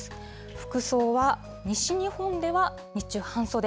服装は、西日本では日中、半袖。